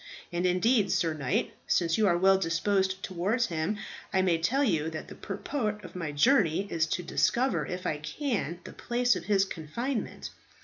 And indeed, sir knight, since you are well disposed towards him, I may tell you that the purport of my journey is to discover if I can the place of his confinement.